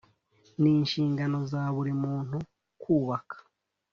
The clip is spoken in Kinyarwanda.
n inshingano za buri muntu kubaka